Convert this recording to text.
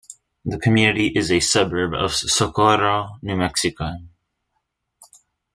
The community is a suburb of Socorro, New Mexico.